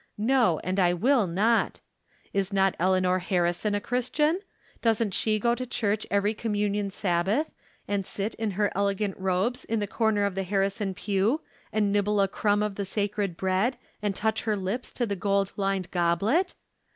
No, and I will not ! Is not Eleanor Harrison a Christian ? Doesn't she go to church every communion Sabbath, and sit 178 From Different Standpoints. in her elegant robes in the corner of tlie Harrison pew, and nibble a crumb of the sacred bread, and touch her lips to the gold lined goblet